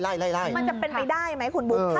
มันจะเป็นไปได้ไหมคุณบุ๊คค่ะ